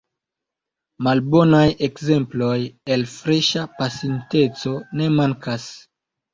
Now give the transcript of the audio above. Malbonaj ekzemploj el freŝa pasinteco ne mankas.